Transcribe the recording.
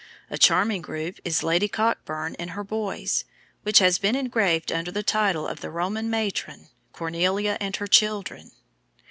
A charming group is Lady Cockburn and her Boys, which has been engraved under the title of the Roman matron Cornelia and her Children.